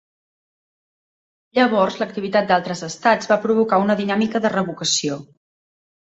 Llavors, l'activitat d'altres estats va provocar una dinàmica de revocació.